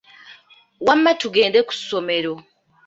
Wamma tugende ku ssomero.